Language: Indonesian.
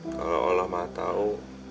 kalau allah mah tahu